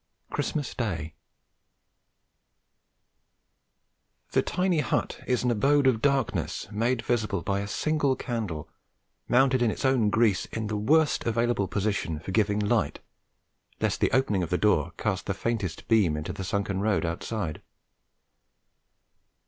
CHRISTMAS DAY The tiny hut is an abode of darkness made visible by a single candle, mounted in its own grease in the worst available position for giving light, lest the opening of the door cast the faintest beam into the sunken road outside.